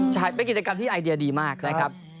ใช่เป็นกิจกรรมที่ไอเดียดีมากนะครับ